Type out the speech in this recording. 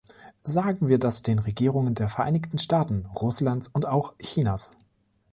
Sagen wir das den Regierungen der Vereinigten Staaten, Russlands und auch Chinas!